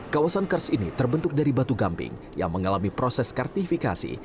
kawasan kars ini terbentuk dari batu gamping yang mengalami proses kartifikasi